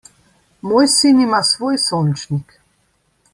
Moj sin ima svoj sončnik.